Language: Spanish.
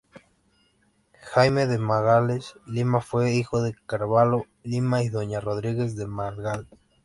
Jaime de Magalhães Lima fue hijo de Carvalho Lima y doña Rodríguez de Magalhães.